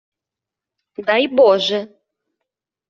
- Дай боже...